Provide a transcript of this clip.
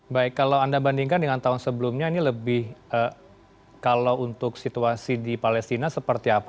baik kalau anda bandingkan dengan tahun sebelumnya ini lebih kalau untuk situasi di palestina seperti apa